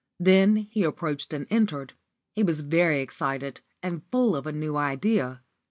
Then he approached and entered. He was very excited, and full of a new idea.